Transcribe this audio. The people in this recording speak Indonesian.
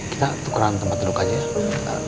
kita tukeran tempat duduk aja